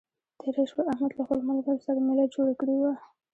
تېره شپه احمد له خپلو ملګرو سره مېله جوړه کړې وه.